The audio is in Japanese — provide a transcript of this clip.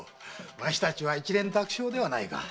わしたちは一蓮托生ではないか。